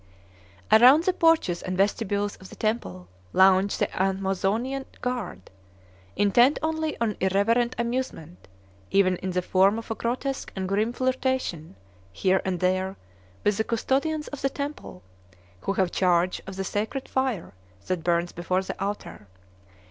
Around the porches and vestibules of the temple lounged the Amazonian guard, intent only on irreverent amusement, even in the form of a grotesque and grim flirtation here and there with the custodians of the temple, who have charge of the sacred fire that burns before the altar.